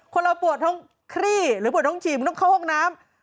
เราปวดท้องคลี่หรือปวดท้องฉี่มันต้องเข้าห้องน้ำ